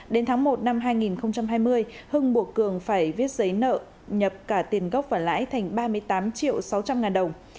đến tháng một năm hai nghìn hai mươi hưng buộc cường phải viết giấy nợ nhập cả tiền gốc và lãi thành ba mươi tám triệu sáu trăm linh ngàn đồng